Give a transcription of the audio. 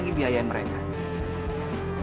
kami harus mengkawasi pimpinan